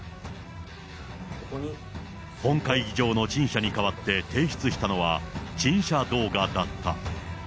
本会議場での陳謝に代わって提出したのは、陳謝動画だった。